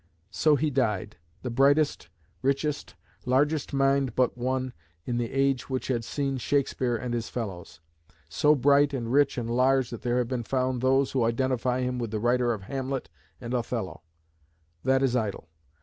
So he died: the brightest, richest, largest mind but one, in the age which had seen Shakespeare and his fellows; so bright and rich and large that there have been found those who identify him with the writer of Hamlet and Othello. That is idle.